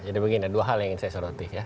jadi begini dua hal yang ingin saya sorotin ya